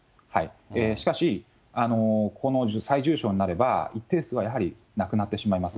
しかし、この最重症になれば、一定数はやはり亡くなってしまいます。